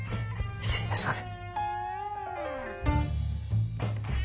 失礼いたします。